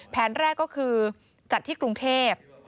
แผนแรกก็คือจัดที่กรุงเทพ